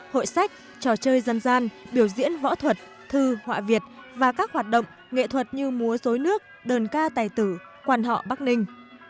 hội sách trò chơi dân gian biểu diễn võ thuật thư họa việt và các hoạt động nghệ thuật như múa dối nước đờn ca tài tử quan họ bắc ninh